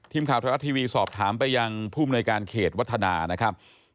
ทีมข่าวโทรศาสตร์ทีวีสอบถามไปอย่างผู้บริการเขตวัฒนานะครับ